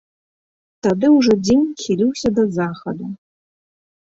Тады ўжо дзень хіліўся да захаду.